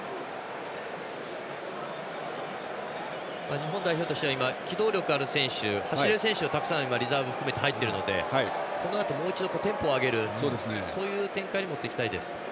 日本代表としては機動力がある選手たくさんリザーブ含めて入っていますのでこのあともう一度テンポを上げるそういう展開に持っていきたいです。